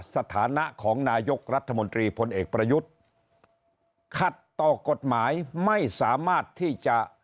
สถานะของนายกรัฐมนตรีพลเอกประยุทธ์ขัดต่อกฎหมายไม่สามารถที่จะ